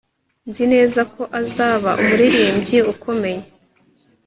Nzi neza ko azaba umuririmbyi ukomeye